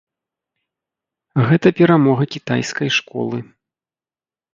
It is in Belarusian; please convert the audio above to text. Гэта перамога кітайскай школы.